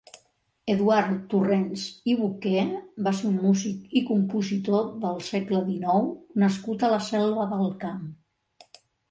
Eduard Torrents i Boqué va ser un músic i compositor del segle dinou nascut a la Selva del Camp.